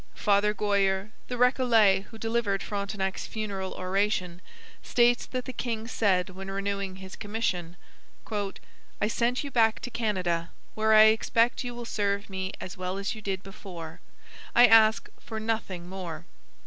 Father Goyer, the Recollet who delivered Frontenac's funeral oration, states that the king said when renewing his commission: 'I send you back to Canada, where I expect you will serve me as well as you did before; I ask for nothing more.'